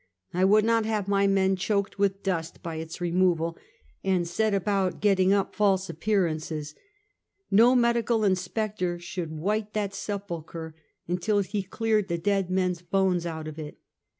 I would not have my men choked with dust by its removal, and set about getting up false appearances. 'No medical in spector should white that sepulchre until he cleared the dead men's bones out of it.